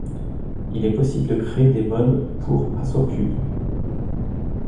Il est possible de créer des mods pour AssaultCube.